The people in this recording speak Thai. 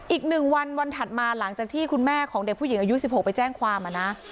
อีก๑วันวันถัดมาหลังจากที่คุณแม่ของเด็กผู้หญิงอายุ๑๖ไปแจ้งความนะ